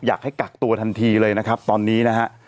อยากให้กักตัวทันทีเลยนะครับตอนนี้นะฮะ